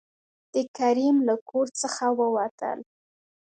د کريم له کور څخه ووتل.